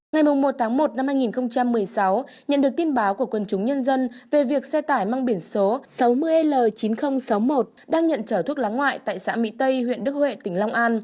ngày một tháng một năm hai nghìn một mươi sáu nhận được tin báo của quân chúng nhân dân về việc xe tải mang biển số sáu mươi l chín nghìn sáu mươi một đang nhận chở thuốc lá ngoại tại xã mỹ tây huyện đức huệ tỉnh long an